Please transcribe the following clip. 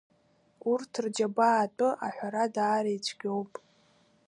Урҭ рџьабаа атәы аҳәара даара ицәгьоуп.